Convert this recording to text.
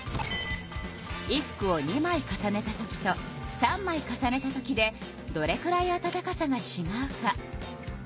衣服を２枚重ねたときと３枚重ねたときでどれくらい暖かさがちがうか。